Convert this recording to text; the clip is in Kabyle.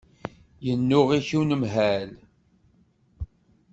Yennuɣ-ik unemhal.